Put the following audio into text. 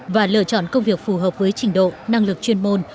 và lựa chọn công việc phù hợp với trình độ năng lực chuyên môn